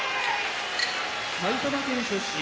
埼玉県出身